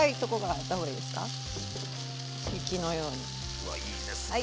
うわいいですね。